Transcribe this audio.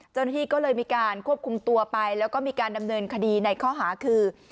เจ้าหน้าที่ก็เลยมีการควบคุมตัวไปแล้วก็มีการดำเนินคดีในข้อหาคือ